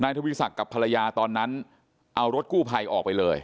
ทวีศักดิ์กับภรรยาตอนนั้นเอารถกู้ภัยออกไปเลย